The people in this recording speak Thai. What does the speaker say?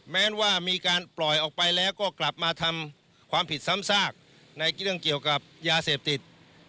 แม้ว่ามีการปล่อยออกไปแล้วก็กลับมาทำความผิดซ้ำซากในเรื่องเกี่ยวกับยาเสพติด